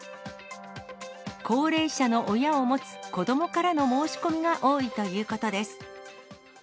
高齢者の親を持つ子どもからの申し込みが多いということです。